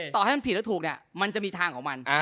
ต่อให้มันผิดหรือถูกมันจะมีทางของมัน